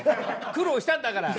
苦労したんだから。